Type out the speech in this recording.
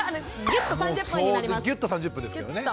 ギュッと３０分ですけどね。